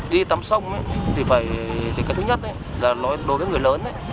đi tắm sông thì phải cái thứ nhất là đối với người lớn